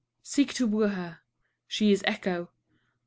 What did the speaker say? Seek to woo her she is Echo.